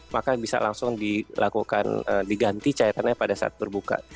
maka bisa langsung dilakukan diganti cairannya pada saat berbuka